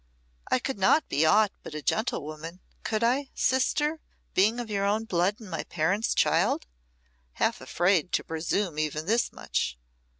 I could not be aught but a gentlewoman, could I, sister, being of your own blood and my parents' child?" half afraid to presume even this much.